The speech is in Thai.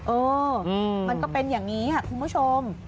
เออมันก็เป็นอย่างนี้ค่ะคุณผู้ชม